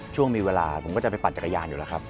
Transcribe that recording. ช่วงมีเวลาผมก็จะไปปั่นจักรยานอยู่แล้วครับ